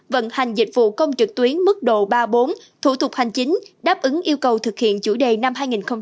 vận hành dịch vụ công trực tuyến mức độ ba bốn thủ tục hành chính đáp ứng yêu cầu thực hiện chủ đề năm hai nghìn hai mươi